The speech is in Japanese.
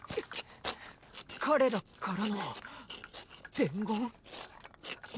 彼らからの伝言？